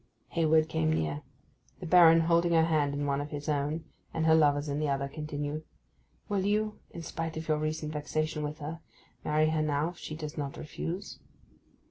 Hayward came near. The Baron, holding her hand in one of his own, and her lover's in the other, continued, 'Will you, in spite of your recent vexation with her, marry her now if she does not refuse?